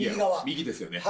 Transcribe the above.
右ですよね。